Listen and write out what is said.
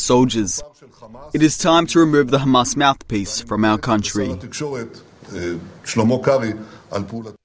saat ini saatnya menghilangkan pembukaan hamas dari negara kita